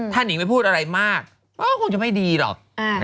ถ้านิงไม่พูดอะไรมากก็คงจะไม่ดีหรอก